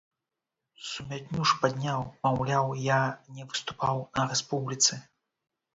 Сумятню ж падняў, маўляў, я не выступаў на рэспубліцы.